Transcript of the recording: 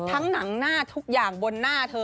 หนังหน้าทุกอย่างบนหน้าเธอ